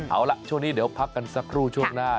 เอาล่ะช่วงนี้เดี๋ยวพักกันสักครู่ช่วงหน้า